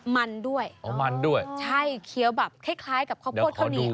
มันด้วยอ๋อมันด้วยใช่เคี้ยวแบบคล้ายคล้ายกับข้าวโพดข้าวเหนียว